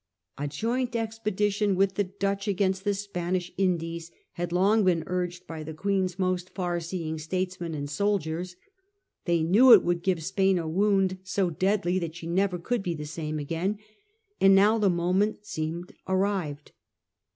^ A joint expedition with the Dutch against the Spanish Indies had long been urged by the Queen's most far seeing statesmen and soldiers. They knew it would give Spain a wound so deadly that she never could be the same again ; and now the moment seemed arrived.